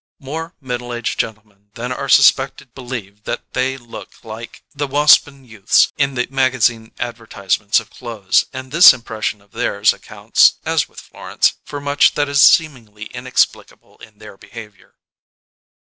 More middle aged gentlemen than are suspected believe that they look like the waspen youths in the magazine advertisements of clothes; and this impression of theirs accounts (as with Florence) for much that is seemingly inexplicable in their behaviour.